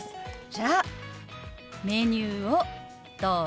じゃあメニューをどうぞ。